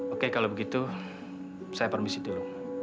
oke kalau begitu saya permisi dulu